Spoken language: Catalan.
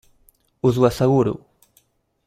Us ho asseguro.